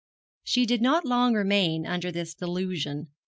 She did not long remain under this delusion.